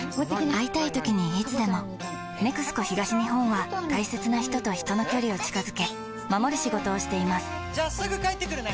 会いたいときにいつでも「ＮＥＸＣＯ東日本」は大切な人と人の距離を近づけ守る仕事をしていますじゃあすぐ帰ってくるね！